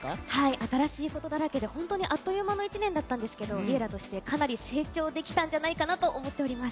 新しいことだらけで本当にあっという間の１年だったんですがＬｉｅｌｌａ！としてかなり成長できたんじゃないかなと思っております。